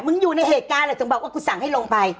มึงอยู่ในเหตุการณ์อะไรต้องบอกว่ากูสั่งให้ลงไป